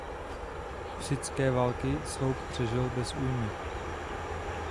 Husitské války Sloup přežil bez újmy.